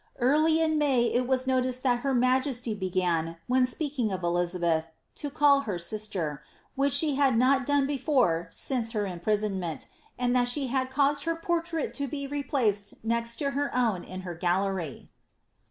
Early io May it was noticed that her majesty began, when speaking of Eliza beth, to call her " sister," which she had not done before since her im prisonment^ and that she had caused her portrait to be replaced next to her own in her gallery.